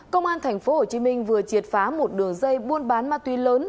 công an tp hcm vừa triệt phá một đường dây buôn bán ma túy lớn